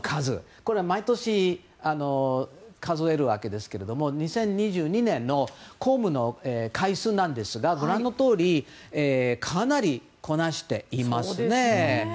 これ、毎年数えるわけですけれども２０２２年の公務の回数ですがご覧のとおりかなりこなしていますね。